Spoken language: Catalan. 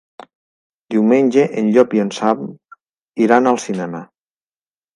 Diumenge en Llop i en Sam iran al cinema.